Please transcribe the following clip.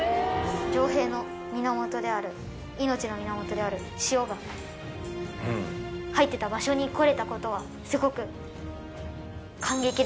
城兵の源である命の源である塩が入ってた場所に来れた事はすごく。